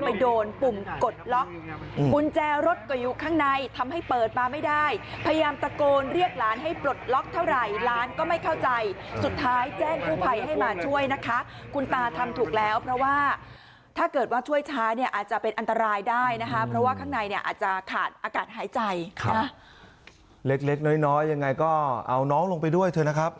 ไปโดนปุ่มกดล็อกกุญแจรถก็อยู่ข้างในทำให้เปิดมาไม่ได้พยายามตะโกนเรียกหลานให้ปลดล็อกเท่าไหร่หลานก็ไม่เข้าใจสุดท้ายแจ้งกู้ภัยให้มาช่วยนะคะคุณตาทำถูกแล้วเพราะว่าถ้าเกิดว่าช่วยช้าเนี่ยอาจจะเป็นอันตรายได้นะคะเพราะว่าข้างในเนี่ยอาจจะขาดอากาศหายใจเล็กเล็กน้อยยังไงก็เอาน้องลงไปด้วยเถอะนะครับ